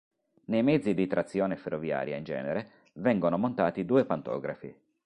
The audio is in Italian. Nei mezzi di trazione ferroviaria, in genere, vengono montati due pantografi.